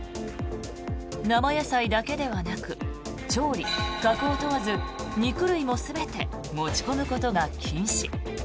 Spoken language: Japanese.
生野菜だけではなく調理・加工問わず肉類も全て持ち込むことが禁止。